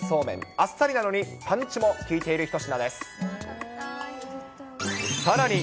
あっさりなのにパンチも効いている一品です。